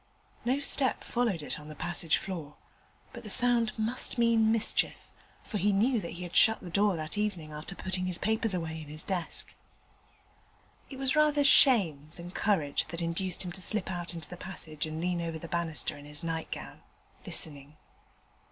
No step followed it on the passage floor, but the sound must mean mischief, for he knew that he had shut the door that evening after putting his papers away in his desk. It was rather shame than courage that induced him to slip out into the passage and lean over the banister in his nightgown, listening.